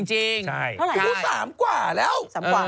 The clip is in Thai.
จริงรู้สามกว่าแล้ว